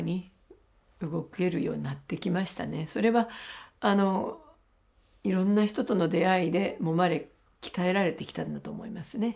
それはいろんな人との出会いでもまれ鍛えられてきたんだと思いますね。